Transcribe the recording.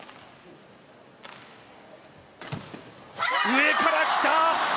上から来た！